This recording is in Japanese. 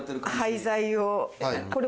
廃材を。